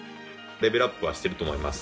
レベルアップはしてると思います。